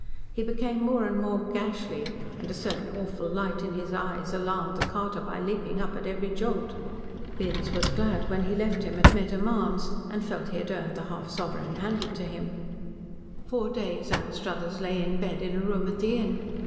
He became more and more "gashly," and a certain awful light in his eyes alarmed the carter by leaping up at every jolt. Binns was glad when he left him at Medham Arms, and felt he had earned the half sovereign handed to him. Four days Anstruthers lay in bed in a room at the Inn.